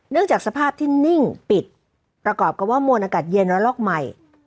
จากสภาพที่นิ่งปิดประกอบกับว่ามวลอากาศเย็นและลอกใหม่